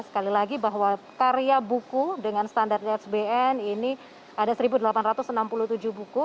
sekali lagi bahwa karya buku dengan standar xbn ini ada satu delapan ratus enam puluh tujuh buku